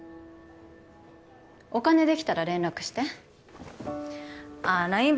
お金できたら連絡してああＬＩＮＥ